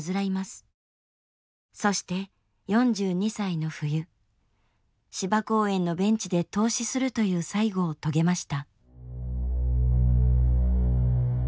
そして４２歳の冬芝公園のベンチで凍死するという最期を遂げました。